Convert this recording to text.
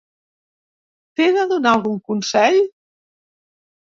T'he de donar algun consell?